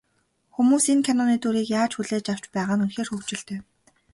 Хүмүүс энэ киноны дүрийг яаж хүлээж авч байгаа нь үнэхээр хөгжилтэй.